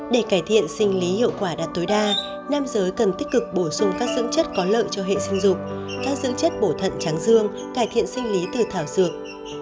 để cải thiện sinh lý hiệu quả đạt tối đa nam giới cần tích cực bổ sung các dưỡng chất có lợi cho hệ sinh dục các dưỡng chất bổ thận tráng dương cải thiện sinh lý từ thảo dược